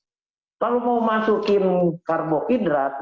kalau minum teh minum aja kalau mau masukin karbohidrat gula itu kan terbatas